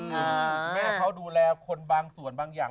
คุณแม่เขาดูแลคนบางส่วนบางอย่าง